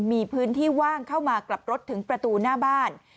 มีพื้นที่ว่างเข้ามากลับรถถึงประตูหน้าบ้าน